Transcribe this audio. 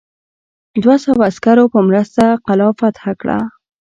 د دوه سوه عسکرو په مرسته قلا فتح کړه.